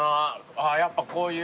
ああやっぱこういう。